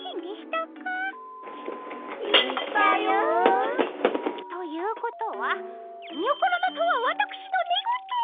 言ったよ。ということはにょころのとはわたくしの寝言！？